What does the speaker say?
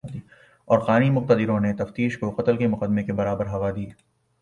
اور قانونی مقتدروں نے تفتیش کو قتل کے مقدمے کے برابر ہوا دی